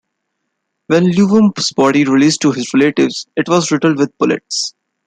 When Luwum's body was released to his relatives, it was riddled with bullets.